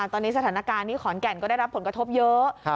ตอนนี้สถานการณ์ที่ขอนแก่นก็ได้รับผลกระทบเยอะ